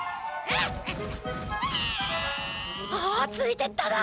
あっついてっただ！